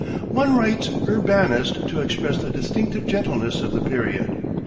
One writes "urbanised" to express the distinctive gentleness of the period.